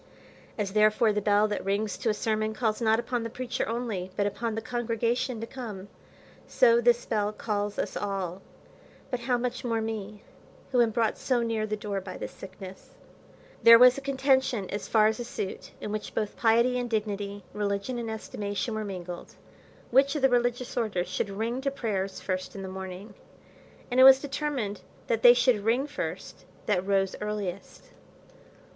As therefore the bell that rings to a sermon calls not upon the preacher only, but upon the congregation to come, so this bell calls us all; but how much more me, who am brought so near the door by this sickness. There was a contention as far as a suit (in which both piety and dignity, religion and estimation, were mingled), which of the religious orders should ring to prayers first in the morning; and it was determined, that they should ring first that rose earliest.